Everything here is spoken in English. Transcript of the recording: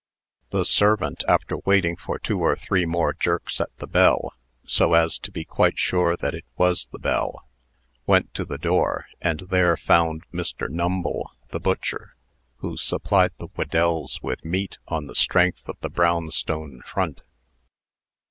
The servant, after waiting for two or three more jerks at the bell, so as to be quite sure that it was the bell, went to the door, and there found Mr. Numble, the butcher, who supplied the Whedells with meat on the strength of the brownstone front.